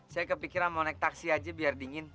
saya kepikiran mau naik taksi aja biar dingin